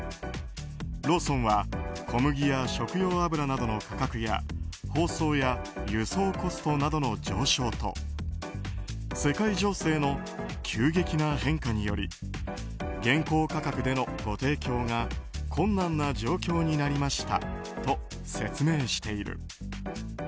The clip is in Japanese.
ローソンは小麦や食用油などの価格や包装や輸送コストなどの上昇と世界情勢の急激な変化により現行価格でのご提供が困難な状況になりましたと説明している。